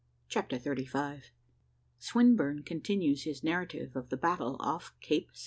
CHAPTER THIRTY FIVE. SWINBURNE CONTINUES HIS NARRATIVE OF THE BATTLE OFF CAPE ST.